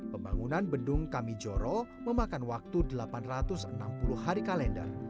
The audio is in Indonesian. pembangunan bendung kamijoro memakan waktu delapan ratus enam puluh hari kalender